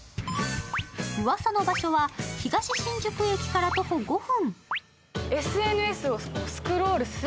うわさの場所は東新宿駅から徒歩５分。